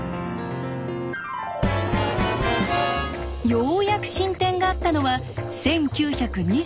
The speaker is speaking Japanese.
ようやく進展があったのは１９２８年。